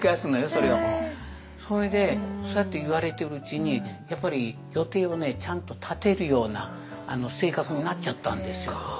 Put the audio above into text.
それでそうやって言われてるうちにやっぱり予定をねちゃんと立てるような性格になっちゃったんですよ。